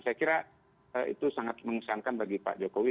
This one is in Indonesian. saya kira itu sangat mengesankan bagi pak jokowi